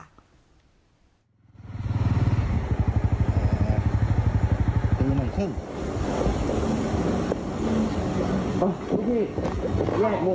เตรียมใหม่ขึ้น